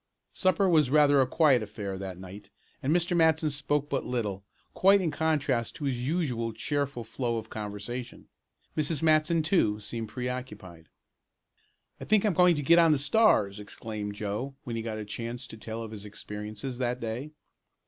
Supper was rather a quiet affair that night, and Mr. Matson spoke but little, quite in contrast to his usual cheerful flow of conversation. Mrs. Matson, too, seemed preoccupied. "I think I'm going to get on the Stars!" exclaimed Joe, when he got a chance to tell of his experiences that day.